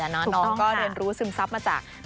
น้องก็เรียนรู้ซึมซับมาจาก